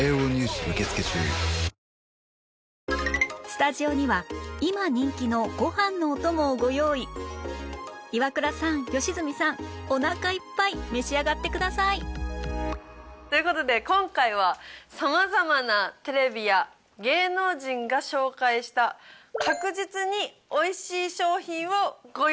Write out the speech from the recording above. スタジオにはイワクラさん吉住さんおなかいっぱい召し上がってくださいという事で今回は様々なテレビや芸能人が紹介した確実に美味しい商品をご用意しました。